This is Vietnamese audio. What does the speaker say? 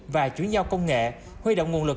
và chuyển giao công nghệ huy động nguồn lực